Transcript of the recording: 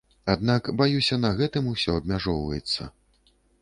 Аднак, баюся, на гэтым усё абмяжоўваецца.